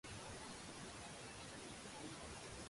上門踢館，唔將你擊落已經十分客氣